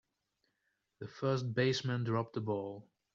The first baseman dropped the ball.